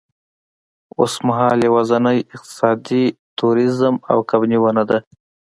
اوسمهال یوازېنی اقتصاد تورېزم او کب نیونه ده.